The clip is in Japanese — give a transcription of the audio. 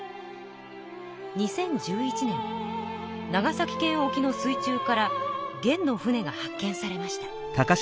２０１１年長崎県沖の水中から元の船が発見されました。